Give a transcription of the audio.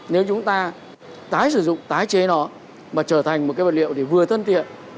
nếu chúng ta tái sử dụng tái chế nó mà trở thành một cái vật liệu thì vừa thân thiện